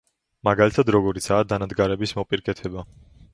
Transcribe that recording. მაგალითად როგორიცაა დანადგარების მოპირკეთება.